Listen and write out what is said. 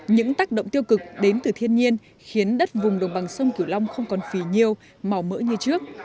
những tác động tiêu cực đến từ thiên nhiên khiến đất vùng đồng bằng sông cửu long không còn phì nhiêu mò mỡ như trước